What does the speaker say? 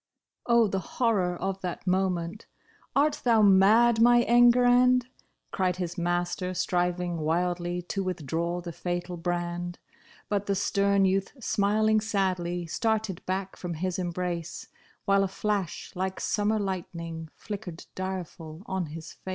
Oh, the horror of that moment !" Art thou mad my Enguerrand }" Cried his master, striving wildly to withdraw the fatal brand. But the stern youth smiling sadly, started back from his embrace. While a flash Hke summer lightning, flickered dire ful on his face.